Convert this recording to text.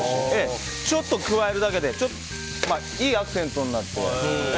ちょっと加えるだけでいいアクセントになって。